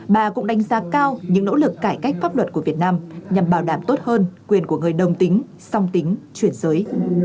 bà cũng đánh giá cao những nỗ lực cải cách pháp luật của việt nam nhằm bảo đảm tốt hơn quyền của người đồng tính song tính chuyển giới